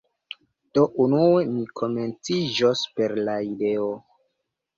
Do, unue mi komenciĝos per la ideo